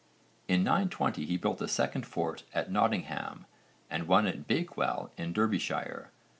In 920 he built a second fort at Nottingham and one at Bakewell in Derbyshire.